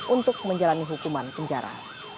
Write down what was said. untuk menjalani hukuman penjara